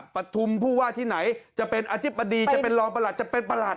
ปฐุมผู้ว่าที่ไหนจะเป็นอธิบดีจะเป็นรองประหลัดจะเป็นประหลัด